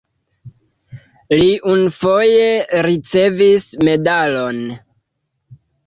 Li unufoje ricevis medalon.